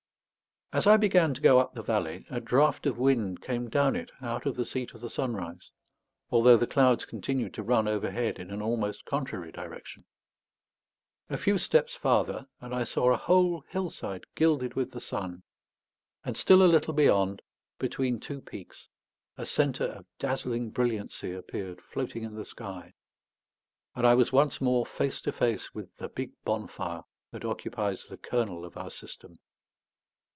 As I began to go up the valley, a draught of wind came down it out of the seat of the sunrise, although the clouds continued to run overhead in an almost contrary direction. A few steps farther, and I saw a whole hillside gilded with the sun; and still a little beyond, between two peaks, a centre of dazzling brilliancy appeared floating in the sky, and I was once more face to face with the big bonfire that occupies the kernel of our system.